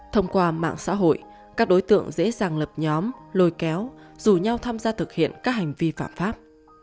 thông qua mạng xã hội các đối tượng dễ dàng lập nhóm lôi kéo rủ nhau tham gia thực hiện các hành vi phạm pháp